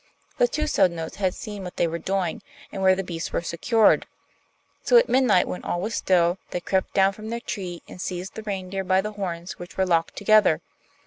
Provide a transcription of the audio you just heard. The two Sodnos had seen what they were doing, and where the beasts were secured; so, at midnight, when all was still, they crept down from their tree and seized the reindeer by the horns which were locked together.